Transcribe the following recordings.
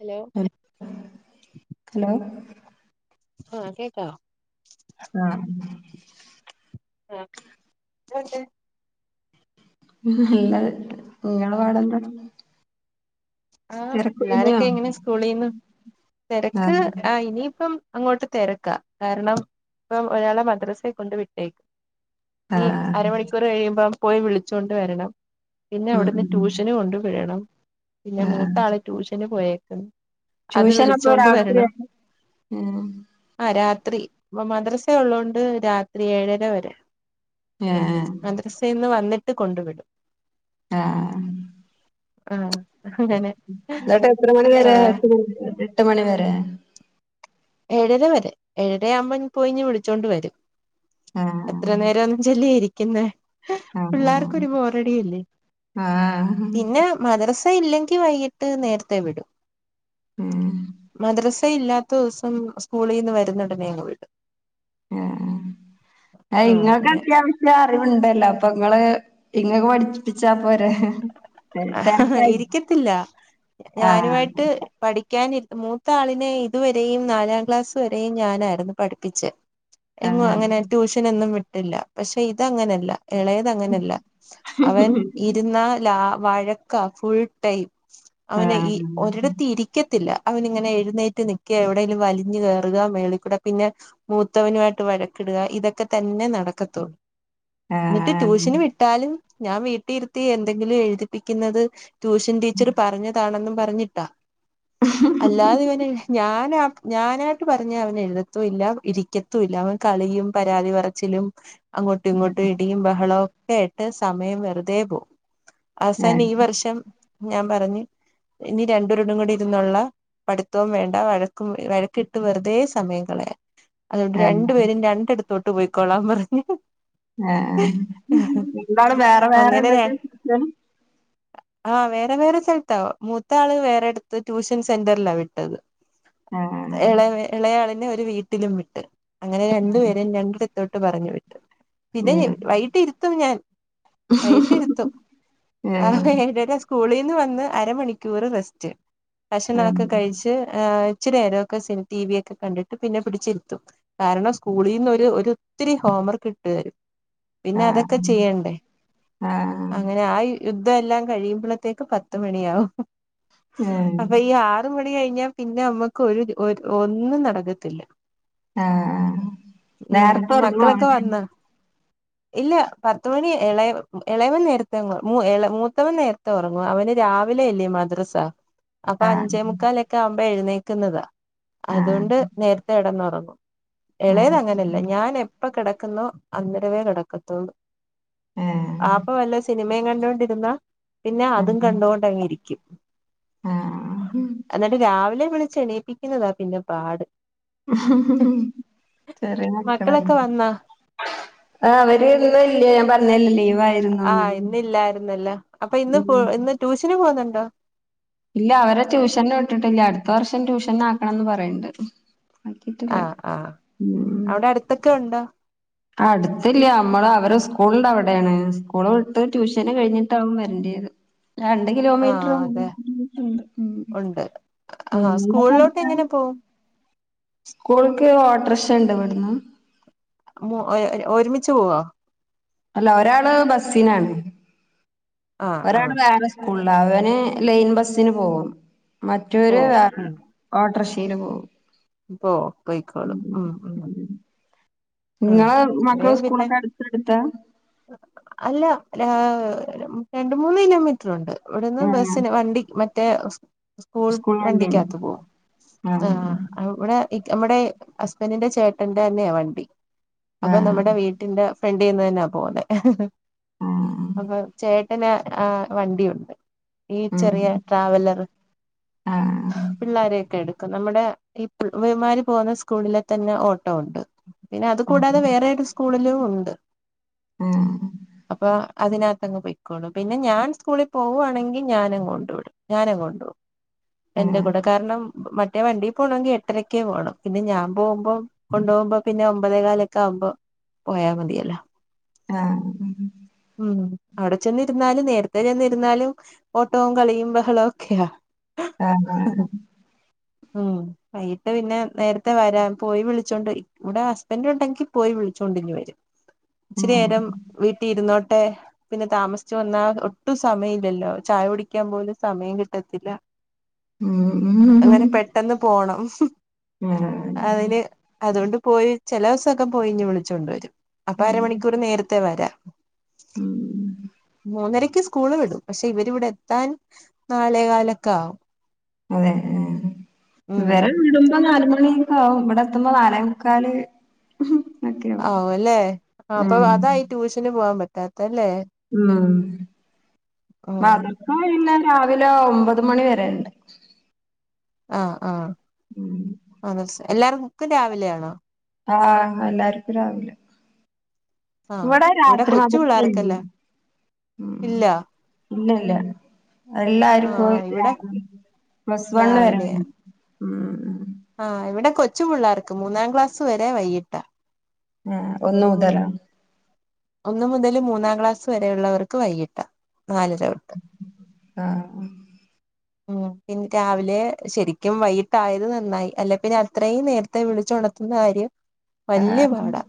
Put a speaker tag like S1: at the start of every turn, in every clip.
S1: Hello
S2: hello
S1: ആഹ കേക്കോ
S2: ആഹ
S1: ആഹ അക്കെ
S2: നല്ല നിങ്ങ പാടെന്താ
S1: ആഹ
S2: തിരക്കൊഴിഞ്ഞോ
S1: പിള്ളോരൊക്കെ എങ്ങനെ സ്കൂളീന്ന് തിരക്ക്
S2: ആഹ്
S1: ആ ഇനിയിപ്പം അങ്ങോട്ട് തിരക്കാ കാരണം ഇപ്പം ഒരാളെ മദ്രസയെ കൊണ്ട് വിട്ടേക്കും നീ
S2: ആഹ്
S1: അരമണിക്കൂർ കഴിയുമ്പോ പോയി വിളിച്ചൊണ്ട് വരണം പിന്നെ
S2: ഉം
S1: അവിടുന്ന്
S2: ഉം
S1: ട്യൂഷന് കൊണ്ടുപടണം പിന്നെ
S2: ആഹ്
S1: മൂത്ത ആളെ ട്യൂഷന് പോയേക്കുന്നു അത്
S2: ട്യൂഷനപ്പോ
S1: വിളിച്ചൊണ്ട് വരണം
S2: രാത്രിയാ ഏഹ്
S1: ആ രാത്രി രാത്രി മദ്രസ ഉള്ളതൊണ്ട് രാത്രി ഏഴര വരെ
S2: ഏഹ്
S1: മദ്രസൽന്ന് വന്നിട്ട് കൊണ്ടു വിടും
S2: ആഹ
S1: ആഹ
S2: എന്നട്ട് എത്ര മണിിവരെ
S1: ആഹ്
S2: എട്ട എട്ട് മണിവരെ
S1: ഏഴര വരെ ഏഴയാവുമ്പോ പോയിഞ് വിളിച്ചോണ്ട് വരും
S2: ആഹ്
S1: എത്ര നേര ഒന്നും ചെല്ലിയ ഇരിക്കുന്ന
S2: ആഹ്
S1: പിള്ളേർക്കൊരു ബോറടിിയല്ലേ
S2: ആഹ്
S1: പിന്നെ മദ്ര അ ഇല്ലെങ്കി വൈകിട്ട് നേരത്തെ വിടും
S2: ഉം
S1: മദ്രസ ഇല്ലാത്ത ദിവസം സ്കൂളിൽ നിന്ന് വരുന്നടനെങ്ങ വീട്
S2: ആ ആ
S1: ആഹ്
S2: ഇങ്ങൾക്ക്
S1: അങ്ങനെ
S2: അത്യാവശ്യം അറിവുണ്ടല്ലോ അപ്പൊ നിങ്ങള് ഇങ്ങൊക്ക്െ പഠിപ്പിച്ചാ പോര
S1: ആ ഇരിക്കത്തില്ല
S2: ആഹ്
S1: ഞാനുമായിട്ട് പഠ പഠാന മൂത്ത ആളിനെ ഇതുവരെയും നാലാം ക്ലാസ് വരെയും ഞാനായിരുന്നു പഠിപ്പിച്ച് എങ്ങ
S2: ആഹ്
S1: അങ്ങനെ ട്യൂഷനൊന്നും വിട്ടില്ല പക്ഷെ ഇതങ്ങനെയല്ല ഇളയത് അങ്ങനെയല്ല അവൻ ഇരുന്നാ ലാ വഴക്ക ഫുൾ ടൈം അവനെ ഈ
S2: ആഹ്
S1: ഒരിടത്ത് ഇരിക്ക ത്തില്ല അവനി ഇങ്ങനെ എഴുന്നേറ്റ് നിക്കുക എവിടെേങ്കലും വലിഞ്ഞഞ് കയറുക മേളിക്കൂടെ പിന്നെ മൂത്തവനുമായിട്ട് പഴക്കിടുക ഇതൊക്കെ തന്നെ നടക്കത്തുള്ളൂ എന്നിട്ട്
S2: ആഹ്
S1: ട്യൂഷന് വിട്ടാലും ഞാൻ വീട്ടിരുത്തി എന്തെങ്കിലും എഴുതിപ്പിക്കുന്നത് ട്യൂഷൻ ടീച്ചർ പറഞ്ഞതാണെന്നും പറഞ്ഞിട്ടാ അല്ലാതെ ഇവനെ ഞൻ ഞാനായിട്ട് പറഞ്ഞ അവൻ എഴുതത്തും ഇല്ല ഇരിക്കത്തും ഇല്ല അവൻ കളിയും പരാതി പറച്ചിലും അങ്ങോട്ടും ഇങ്ങോട്ടും ഇടിയും ബഹളവും ഒക്കെ ആട്ട് സമയം വെറുതെ പോകവും ആസൻ
S2: ഏഹ്
S1: ഈ വർഷം ഞാൻ പറഞ്ഞു ഇനി രണ്ടൂരുടും കൂടി ഇരുന്നുുള്ള പഠിത്തം വേണ്ട വഴക്കും വഴക്കിട്ട് വെറുതെ സമയങ്ങളെ
S2: ഏഹ്
S1: അതുകൊണ്ട് രണ്ടു പേരും രണ്ടിടത്തോട്ട് പോയിക്കോള്ളാംൻ പറഞ്ഞഞ്
S2: ആഹ എന്നന്താണ് വേറെ വേറെട്ട
S1: ആഹ് വേറെ വേറെ സ്ഥലത്താവാ മൂത്ത ആള് വേറെടുത്ത് ട്യൂഷൻ സെന്റിലാ വിട്ടത്
S2: ആഹ്
S1: ഇള ഇളയാളിനെ ഒരു വീട്ടിലും വിട്ട് അങ്ങനെ രണ്ടുപേരും രണ്ടിടത്തോട്ട് വിട്ട് പറഞ്ഞു വിട്ട് പിന്നെ
S2: ഏഹ്
S1: വൈകട്ട് ഇരുത്തും ഞാൻ വൈകട്ടിരുത്തും ആ
S2: ഏഹ്
S1: എല്ല സ്കൂളിൽ നിന്ന് വന്ന് അരമണിക്കൂർ റെസ്റ്റ് കക്ഷണംൊക്കെ
S2: ഏഹ്
S1: കഴിച്ച് ആ ഇച്ചരി നേരമൊക്കെ സ ടി വി ഒക്കെ കണ്ടിട്ട് പിന്നെ പിടിച്ചിരുത്തും കാരണം സ്കൂളിൽ നിന്നന്ന് ഒരു ഒത്തിരി പിന്നെതൊക്കെ
S2: ആഹ്
S1: ചെയ്യണ്ടേ
S2: ആഹ്
S1: ദ് എല്ലാം കഴിയുമ്പഴത്ത പണ
S2: ഏഹ്
S1: അണ കഴിഞ്ഞാൽ പിന്നെ നമ്മുക്ക് ഒരു ഒന്നും നടക്കത്തില്ല
S2: ആഹ്
S1: ഉ
S2: നേരത്തെ ഉറങ്ങുവോ
S1: മക്കളൊക്കെ
S2: അവര്
S1: വന്ന ഇല്ല പത്ത മണി ഇളയ ഇളയമൻ നേര മൂത്തവൻ നേരത്തെ ഉറങ്ങും അവന് രാവിലെ അല്ലേ മദ്രസ അപ്പൊ
S2: ആഹ്
S1: അഞ്ചേ മുുക്കാലൊക്കെ ആവുമ്പോ എഴുന്നേക്കുന്നതാ
S2: ആഹ്
S1: അതുകൊണ്ട് നേരത്തെ ഇടന്നുറങ്ങു ഇളയത്
S2: ആഹ്
S1: അങ്ങനല്ല ഞാൻ എപ്പ കിട അന്നരവേ കിടക്കത്തൂ
S2: ഏഹ്
S1: ആപ്പ വല്ല സിനിമയും കണ്ടോൊണ്ടിരുന്ന പിന്നെ
S2: ഉം
S1: അതും കണ്ടുകൊണ്ടങ്ങെ ഇരിക്കും
S2: ആഹ്
S1: എന്നിട്ട് രാവിലെ വിളിച്ച എണേപ്പിക്കുന്നതാ പിന്നെ പാട്
S2: ചെറിയ ആക്കളല്ലേ
S1: മക്കളൊക്കെ വന്നാ
S2: ആ അവര് ഇന്നല്ലോ ഞാൻ പറഞ്ഞല്ലല്ല
S1: ആഹ് ഇന്നല്ലായിരുന്നല്ലോ അപ്പൊ ഇന്ന് പോ
S2: ഉം
S1: ഇന്ന് ട്യൂഷന് പോുന്നുണ്ടോ
S2: ഇല്ല അവരെ ട്യൂഷൻ ഇട്ടിട്ടില്ല അടുത്ത വർഷം ട്യൂഷൻ ആക്കണംന്ന് പറയണ്ടും ആക്കിട്ടില്ലോ
S1: ആഹ് ആഹ്
S2: ഉ
S1: അവിടെ അടുത്തൊക്കെ ഉണ്ടോ
S2: അടുത്തല്ല നമ്മള് അവര് സ്കൂളിണ്ട് അവിടെയാണ് സ്കൂള് വിട്ട് ട്യൂഷന് കഴിഞ്ഞിട്ടാകും വരണ്ടേ [unintelligible] രണ്ട്
S1: ആഹ് അതെ
S2: കിലോമീറ്ററണ്ട്
S1: ഉണ്ട് ആഹ് സ്കൂളിലോട്ട് എങ്ങനെ പോവും
S2: സ്കൂൾക്ക് ഓട്ട്രഷണ്ട് വട്ന്ന്
S1: മൊ ഏ ഒരു ഒരുമിച്ച് പോവോ
S2: അല്ല ഒരാള് ബസ്സിനാണ്
S1: ആഹ് ആഹ്
S2: ഒരാള് വേറെ സ് കൂള്ളാ അവന് ലൈൻ ബസ്സിന് പോകും മറ്റോര്
S1: പോവും
S2: വേറെ
S1: ഉം
S2: ഓട്ടർക്ഷ ട്ടീന് പോവും
S1: പോ പൊയ്ക്കോളൂ ഉമ് ഉമ്
S2: ഉം നിങ്ങളെ മക്കളെ സ്കൂളൊക്കെ അടുത്ത അടുത്താ?
S1: അല്ല രാഹ് രണ്ട് മൂന്ന് കിലോമീറ്റർ ഉണ്ട് ഇവിടുന്ന്
S2: ആ
S1: ബസ്സിന് വണ്ടി മറ്റേ സ് സ്കൂൾ വണ്ടിക്കാത്ത് പോകും
S2: ആ
S1: ആഹ് ഇവിടെ ഇവടെ ഹസ്ബന്റിന്റെ ചേട്ടന്റെ തന്നെയാ വണ്ടി
S2: ആ
S1: അപ്പൊ നമ്മടെ വീട്ടിന്റെ ഫ്രണ്ടിന്ന് തന്നാ പോന്നെ
S2: ആ
S1: അപ്പൊ ചേട്ടന് ആഹ് വണ്ടിയുണ്ട് ഈ
S2: ആ
S1: ചെറിയ ട്രാവലർ
S2: ആ ആ
S1: പിള്ളോരെയൊക്കെ എട് നമ്മടെ ഈ [unintelligible] പോകുന്ന സ്കൂളിലെ തന്നെ ഓട്ടോ ഉണ്ട്. പിന്നെ അത് കൂടാതെ വേറെരു സ്കൂളിലും ഉണ്ട് അപ്പൊ അതിനകത്തങ്ങ് പൊയിക്കോളും പിന്നെ ഞാൻ സ്കൂളിൽ പോവാണെങ്കിൽ ഞാനും കൊണ്ട്‌ വിടും ഞാനും കൊണ്ടോവും
S2: ആ
S1: എന്റെ കൂടെ
S2: ആ
S1: കാരണം മ മറ്റേ വണ്ടിൽ പോണോങ്കിൽ എട്ടരക്കേ പോണം പിന്നെ ഞാൻ പോകുമ്പോ കൊണ്ടോകുമ്പോ പിന്നെ ഒമ്പതേ കാലൊക്കെ ആകുമ്പോ പോയാ മതിയല്ലോ
S2: ആഹ് മ്
S1: ഉമ് അവിടെ ചെന്നി ഇരുന്നാലും നേരത്തെ ചെന്നിരുന്നാലും ഓട്ടോ കളിയും ബഹളോക്കെയാ
S2: ആഹ് ആഹ്
S1: ഉമ് വൈകട്ട് പിന്നെ നേരത്തെ വരാൻ പോയി വിളിച്ചോണ്ട് ഇവിടെ ഹസ്ബൻന്റ് ഉണ്ടെങ്കി പോയി വിളിച്ചോണ്ടിങ്ങ് വരും ഇച്ചിരി നേരം വീട്ടിൽ ഇരുന്നോ ട്ടെ പിന്നെ താമസിച്ചു വന്നാ ഒട്ടും സമയം ഇല്ലല്ലോ ചായ കുടിക്കാൻ പോലും സമയം കിട്ടത്തില്ല
S2: ഉം,
S1: അങ്ങനെ പെട്ടൊന്ന് പോണം.
S2: ആ,
S1: അതിന് അതോണ്ട് പോയി ചെലോസൊക്കെ പോയി ങ്ങ് വിളിച്ചൊണ്ട് വരും അപ്പ അരമണിക്കൂർ നേരത്തെ വരാം
S2: ഉം.
S1: മൂന്നരക്ക് സ്കൂള് വിടും. പക്ഷെ ഇവരിവിടെ എത്താൻ നാലേ കാലൊക്കെ ആവും.
S2: അതെ ഏഹ്
S1: ഉം
S2: ഇവരെ വിടുമ്പോ നാല് മ ണിയൊക്കെ ആവും. ഇവടെ എത്തുമ്പോ നാലേ മുക്കാല് ഒക്കെയാവും
S1: ആവും അല്ലെ, ആ അപ്പൊ
S2: ഉം
S1: അതാ ഈ ട്യൂഷന് പോവാൻ പറ്റാത്തെ, അല്ലേ
S2: വാ പഠിക്കാൻ ഒയ് വില്ലാതെ രാവിലെ ഒമ്പത് മണി വരെണ്ട്.
S1: ആഹ്, ആഹ്
S2: ഉം
S1: ആ എല്ലാർക്കും രാവിലെ ആണോ
S2: ആഹ്, എല്ലാര്ക്കും രാവിലെ
S1: ആഹ്
S2: ഇവടെ
S1: ഇവിടെ
S2: രാത്രി
S1: കൊച്ചു
S2: മദർസെ
S1: പിള്ളേർക്കല്ല
S2: [inaudible] ഉം,
S1: ഇല്ല
S2: ഇല്ലല്ല എല്ലാര്ക്കും
S1: ആഹ് ഇവിടെ
S2: രാവി [inaudible] പ്ലസ്‌ വൺ
S1: രാവിലെയാ
S2: വരായി ഉം
S1: ആഹ്, ഇവടെ കൊച്ചു പിള്ളാർക്ക്, മൂന്നാം ക്ലാസ് വരെ വൈകിട്ടാ.
S2: ആഹ്, ഒന്നു മുതലോ
S1: ഒന്ന മുതല് മൂന്നാം ക്ലാസ് വരെയള്ളവർക്ക് വൈകിട്ട, നാലര തൊട്ട്
S2: ആഹ് ആ
S1: പിൻ, രാവിലെ ശരിക്കും വൈകിട്ടായത് നന്നായി, അല്ലെ പിന്നെ അത്രയും നേരത്തെ വിളിച്ചു ഒണത്തുന്ന കാര്യം വല്യ പാടാ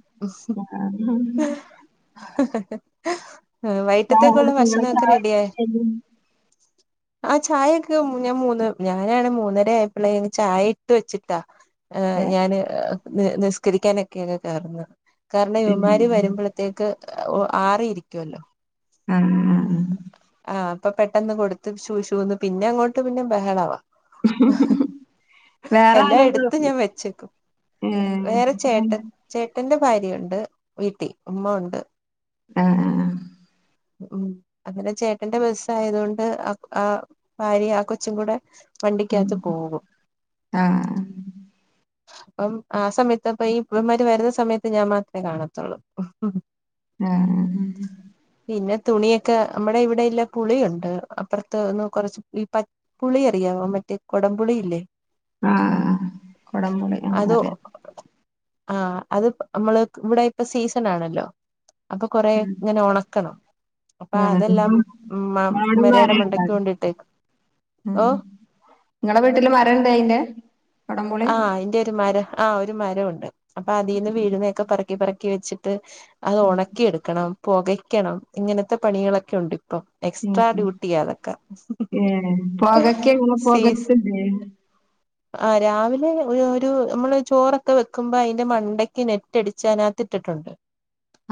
S1: ആഹ് വൈട്ടത്തേക്കുള്ള
S2: ആഹ്
S1: ഭക്ഷണവൊക്കെ റെഡിയായൊ? ആ ചായൊക്കെ ഞാൻ മൂന്ന്, ഞാനാണ് മൂന്നര ആയപ്പോള്ളെ ചായ ഇട്ട് വെച്ചിട്ടാ ഞാന് നി നിസ്കരിക്കാനൊക്കെ അങ്ങ് കയറുന്നത് കാരണം ഇവൻമാരി വരുമ്പോഴത്തേക്ക് ആറിയിരിക്കുവല്ലോ
S2: ആ അ അ
S1: ആ അപ്പൊ പെട്ടെന്ന് കൊടുത് ശൂ ശൂന്ന് പിന്നെ അങ്ങോട്ട് പിന്നെ ബഹളവാ
S2: വേറെ
S1: എല്ലാം
S2: ആരെങ്കിലും
S1: എടുത്ത ഞാൻ വെച്ചേക്കും
S2: ഏഹ്
S1: വേറെ ചേട്ടൻ ചേട്ടന്റെ ഭാര്യുണ്ട് വീട്ടി ഉമ്മ ഉണ്ട്
S2: ആഹ ആഹ ആഹ
S1: ഉം അങ്ങനെ ചേട്ടന്റെ ബസ്സ ആയതൊണ്ട് ആ ഭാര്യ ആ കൊച്ചും കൂടെ
S2: ഉം
S1: വണ്ടിക്കാത്ത് പോകും
S2: ആഹ്
S1: അപ്പം ആ സമയത്ത്പ്പ ഈ ഇവൻമാരി വരുന്ന സമയത്ത് ഞാൻ മാത്രമേ കാണത്തുള്ളൂ
S2: ആഹ ഉ ഉ
S1: പിന്നെ തുണിയൊക്കെ നമ്മുടെ ഇവിടെല്ല പുളിയുണ്ട് അപ്പുറത്ത് ഒന്ന് കുറച്ച് ഈ പ പുളി അറിയോ മറ്റേ കൊടംപുളിയില്ലേ
S2: ആഹ കൊടം പുളി ആ അറിയാം
S1: ആഹ അത് നമ്മള് ഇവിടെ ഇപ്പ സീസൺ ആണല്ലോ അപ്പൊ കൊറേ ഇങ്ങനെ ഉണക്കണം അപ്പൊ
S2: ആഹ്
S1: അതെല്ലാം മ
S2: അവിടൊന്നും
S1: മരയുടെ മണ്ടക്ക്
S2: അറിയണ്ട
S1: കൊണ്ടിട്ടേക്ക്
S2: ഉം നിങ്ങളടെ വീട്ടില് മരംണ്ട് അയിന്റെ കൊടംപുളി
S1: ആഹ അയിന്റെ ഒരു മരം ആഹ ഒരു മരം ഉണ്ട് അപ്പൊ അതിൽന്ന് വീഴുന്നൊക്കെ പറക്കി പറക്കി വെച്ചിട്ട് അത് ഉണക്കിെടുക്കണം പുകയ്ക്കണം ഇങ്ങനത്തെ പണികളൊക്കെ ഉണ്ട് അപ്പ എക്സ്ട്രാ ഡ്യൂട്ടി അതൊക്കെ
S2: ഏ പോകക്കെ എല്ല
S1: സീസ്
S2: പോകത്തേ
S1: ആഹ് രാവിലെ ഒരു നമ്മള് ചോറൊക്കെ വെക്കുമ്പോ അതിന്റെ മണ്ടക്ക് നെറ്റടിച്ചതിനകത്ത് ഇട്ടിട്ടുണ്ട്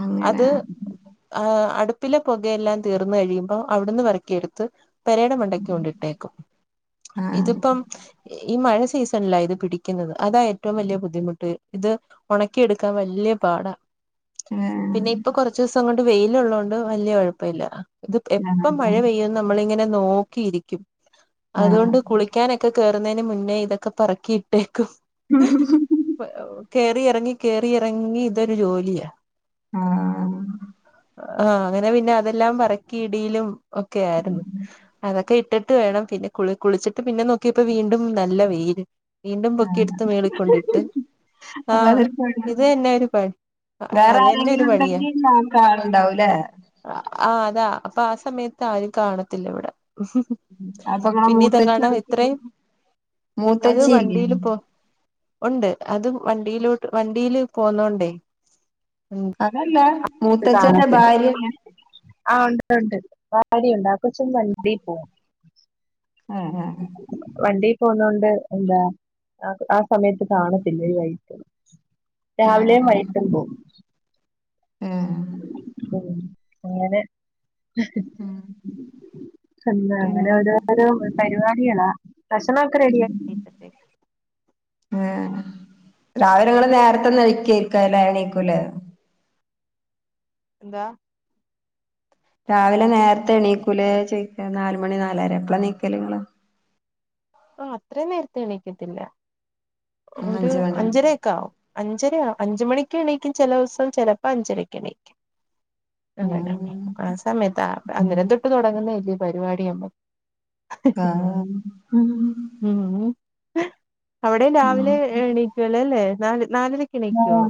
S2: അങ്ങനെ
S1: അത് ആ അടു ഉപ്പിലെ പുകയെല്ലാം തീർന്ന് കഴിയുമ്പോൾ അവിടുന്ന് പെറക്കിയെടുത്ത് പെരയുടെ മണ്ടക്ക് കൊണ്ടിട്ടേക്കും
S2: ആഹ്
S1: ഇതിപ്പം ഈ മഴ സീസൺ ലാ ഇത് പിടിക്കുന്നത് അതാ ഏറ്റവും വലിയ ബുദ്ധിമുട്ട് ഇത് ഉണക്കിയെടുക്കാൻ വലിയ പാടാ
S2: ആഹ്
S1: പിന്നെ ഇപ്പൊ കൊറച്ച ദിവസം അങ്ങോട്ട് വെയില ഉള്ളതത് കൊണ്ട് വല്യയ കുഴപ്പ ഇല്ല ഇത്
S2: ആഹ്
S1: എപ്പം മഴ പെയ്യന്ന് നമ്മളിങ്ങനെ നോക്കിയിരിക്കും
S2: ആഹ്
S1: അതുകൊണ്ട് കുളിക്കാനൊക്കെ കേയറുന്നതിന് മുന്നേ ഇതൊക്കെ പറക്കിയിട്ടേക്കും കേറി ഇറങ്ങി കേറിയിറങ്ങി ഇതൊരു ജോലിയാ
S2: ആഹ്
S1: ആഹ അങ്ങനെ പിന്നെ അതെല്ലാം പറക്കി ഇടിയിലും ഒക്കെ ആയിരുന്നു അതൊക്കെ ഇട്ടിട്ട് വേണം പിന്നെ കുളി കുളിച്ചിട്ട് പിന്നെ നോക്കിയപ്പോ വീണ്ടും നല്ല വെയ്ല് വീണ്ടും പൊക്കി എടുത്ത് മീളിക്കൊണ്ടിട്ട്
S2: അപ്പൊ
S1: ആഹ്
S2: അതൊരു പണി
S1: ഇത് തന്നെ ഒരു പണി
S2: വേറെ
S1: അത് തന്നെ ഒരു
S2: ആരെങ്കിലും
S1: പണിയാ
S2: ഉണ്ടെങ്കി നോക്കാ ആളുണ്ടാവൂല്ലേ
S1: ആ അതാ അപ്പൊ ആ സമയത്ത് ആരും കാണത്തില്ല ഇവിടെ
S2: അപ്പൊ ഇങ്ങളെ
S1: പിന്നെ ഇതെ
S2: മൂത്തച്ചി
S1: കാണാ എത്രയും അത്
S2: മൂത്തച്ചി ഇല്ലേ
S1: വണ്ടിയില് പോ ഉണ്ട് അതും വണ്ടിയിലോട്ട് വണ്ടിയില് പോന്നോണ്ടേ
S2: അതല്ല മൂത്തച്ഛന്റെ ഭാര്യയല്ല
S1: ആഹ ഉണ്ട് ഉണ്ട് വാരിണ്ട കൊച്ചും വണ്ടിൽ പോകും
S2: ആഹ് ആഹ്
S1: വണ്ടിയി പോന്ന കൊണ്ട് എന്താ ആ ആ സമയത്ത് കാണത്തില്ല ഈ വൈട്ടും രാവിലെയും
S2: ആഹ്
S1: വൈകിട്ടും പോവും
S2: ആഹ്
S1: അങ്ങനെ
S2: ആഹ്
S1: ന്ത അങ്ങനെ
S2: പിന്നെന്താ
S1: ഓരോരോ പരിപാടിയണാ ഭക്ഷണക്കെ റെഡിയ ആ
S2: ആഹ രാവിലെ ഇവ്ടെ നേരത്തെ ഒന്ന അഴിക്കായിരിക്ക ല എണീക്കൂല
S1: എന്താ
S2: രാവിലെ നേരത്തെ എണീക്കുല ചോദിക്ക നാലുമണി നാലര എപ്പളാ എനീക്കല് നിങ്ങള്?
S1: ആ അത്രയും നേരത്തെ എണീക്കത്തില്ല
S2: ഉം
S1: ഒരു
S2: അഞ്ച് മണി
S1: അഞ്ചരയൊക്കെ ആവും. അഞ്ചര അഞ്ച് മണിക്ക് എണീക്കും ചില ദിവസം ചിലപ്പോ അഞ്ചരക്ക് എണീക്കും. അങ്ങ ആ സമയത്ത് അന്നേരം തൊട്ട് തുടങ്ങുന്നല്ലേ പരിപാടി ഉം. അവിടെ രാവിലെ എണക്കുവല്ലേല്ലേ നാല് നാലരയ്ക്ക് എണീക്കുവോ?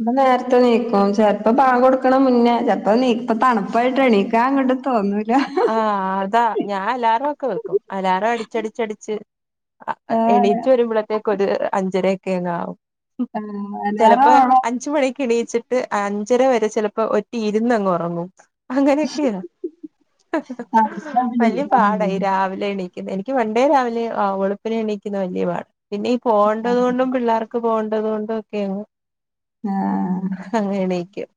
S2: ഇപ്പ നേരത്തെ എനീക്കും ചെിലപ്പോ ബാങ്ക് കൊടുക്കണ മുന്നേ ചെലപ്പോ നീപ്പ തണുപ്പായിട്ട് എണീക്കാ അങ്ങട്ട്
S1: ആഹ് അതാ ഞാൻ അലാറം ഒക്കെ വെക്കും അലാറം അടിച്ചടിച്ചടിച്ച്
S2: ആഹ്
S1: എണീച്ച് വരുമ്പോഴത്തേക്ക ഒരു അഞ്ചരയക്കെങ്ങ ആകും.
S2: ആഹ് അലാറം
S1: ചിലപ്പോ
S2: ഓണാ
S1: അഞ്ച് മണിക്ക് എണീച്ചിട്ട് ഇച്ചര വരെ ചിലപ്പോ ഒറ്റി ഇരുന്നങ്ങ് ഉറങ്ങും അങ്ങനെയൊക്കെയ വലിയ പാടായി രാവിലെണ എനിക്ക് പണ്ടേ രാവിലെ വെളുപ്പിനെ എണീക്കുന്ന വലിയ പാട പിന്നെ ഈ പോവണ്ടത് കൊണ്ടും പിള്ളേർക്ക് പോകണ്ടത് കൊണ്ടും ഒക്കെയങ്ങ്
S2: ആഹ്
S1: അങ്ങനെ എണീക്കും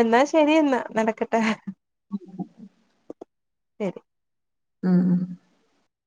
S1: എന്നാ ശരിയെന്നാ നടക്കട്ടെ.
S2: [unintelligible]
S1: ശരി.
S2: ഉം ഉം.